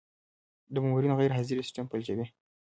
د مامورینو غیرحاضري سیستم فلجوي.